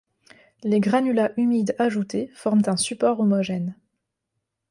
Les granulats humides ajoutés forment un support homogène.